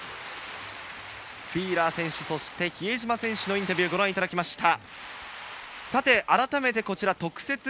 フィーラー選手、比江島選手のインタビューをご覧いただきました。